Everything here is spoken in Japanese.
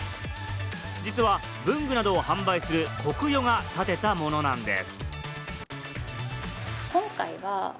実は文具などを販売するコクヨが建てたものなんです。